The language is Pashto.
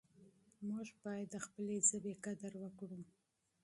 موږ باید د خپلې ژبې قدر وکړو.